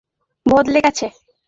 যাইহোক, সময় বদলে গেছে।